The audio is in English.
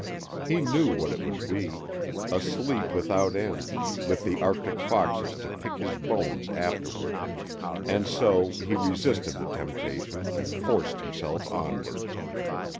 He knew what it would be a sleep without end, with the arctic foxes to pick his bones afterward and so he resisted the temptation and forced himself onward.